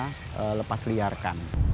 kita harus melepasliarkan